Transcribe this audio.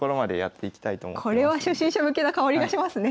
これは初心者向けな香りがしますね。